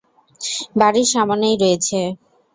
বাড়ির সামনেই রয়েছে।